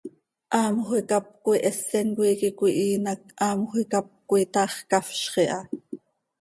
Haamjö icáp coi hesen coi iiqui cöihiin hac haamjö icáp coi, taax cafzx iha.